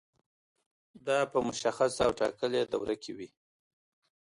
دا په مشخصه او ټاکلې دوره کې وي.